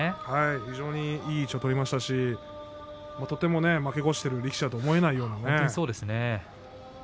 非常にいい位置を取りましたしとても負け越している力士だと思えないようなね。